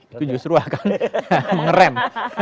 itu justru akan mengerem